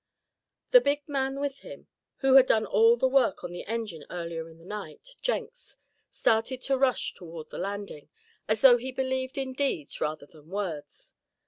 The big man with him, who had done all the work on the engine earlier in the night, Jenks, started to rush toward the landing, as though he believed in deeds rather than words.